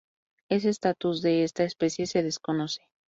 Es estatus de esta especie se desconoce.